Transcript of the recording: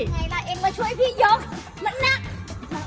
ไงล่ะเองมาช่วยพี่ยกมันหนัก